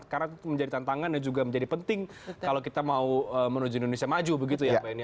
karena itu menjadi tantangan dan juga menjadi penting kalau kita mau menuju indonesia maju begitu ya pak eni